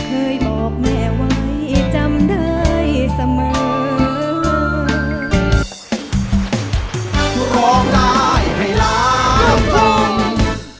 เคยบอกแม่ไว้จำได้เสมอ